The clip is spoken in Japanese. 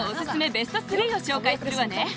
ベスト３を紹介するわね。